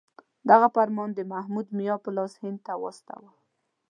دغه فرمان د محمود میا په لاس هند ته واستاوه.